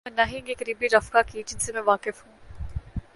اورنہ ہی ان کے قریبی رفقا کی، جن سے میں واقف ہوں۔